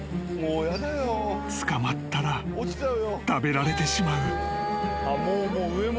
［捕まったら食べられてしまう］